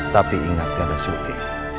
tapi ingat tia dasuki